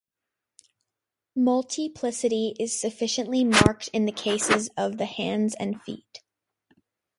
Multiplicity is sufficiently marked in the cases of the hands and feet.